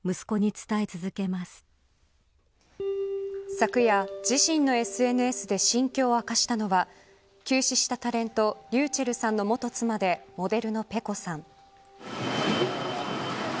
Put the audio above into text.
昨夜、自身のＳＮＳで心境を明かしたのは急死したタレントｒｙｕｃｈｅｌｌさんの元妻でモデルのｐｅｃｏさん。